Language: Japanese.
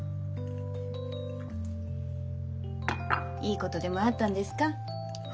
いいことでもあったんですか？